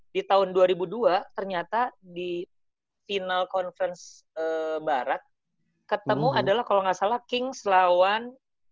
di tahun dua ribu dua ternyata di final conference barat ketemu adalah kalau nggak salah kings lawan